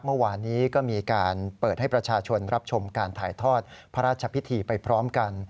เมื่อวานนี้ก็มีการเปิดให้ประชาชนรับชมการถ่ายทอดพระราชพิธีไปพร้อมกัน